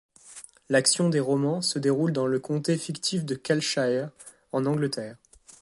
L'action des romans se déroule dans dans le comté fictif de Calleshire, en Angleterre.